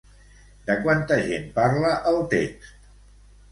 De quanta gent parla el text?